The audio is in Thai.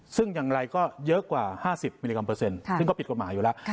ซึ่งอย่างไรก็เยอะกว่า๕๐มิลลิกรัมเปอร์เซ็นต์ซึ่งก็ผิดกฎหมายอยู่แล้ว